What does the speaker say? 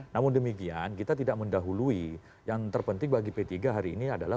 namun demikian kita tidak mendahului yang terpenting bagi p tiga hari ini adalah